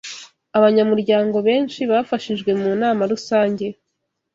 Abanyamuryango benshi bafashijwe mu nama rusange